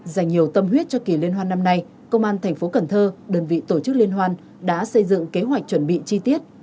dành nhiều tâm huyết cho kỳ liên hoan năm nay công an thành phố cần thơ đơn vị tổ chức liên hoan đã xây dựng kế hoạch chuẩn bị chi tiết